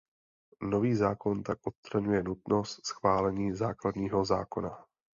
Nový zákon tak odstraňuje nutnost schválení základního zákona.